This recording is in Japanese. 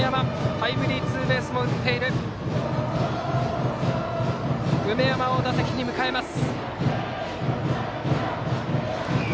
タイムリーツーベースも打っている梅山を打席に迎えます。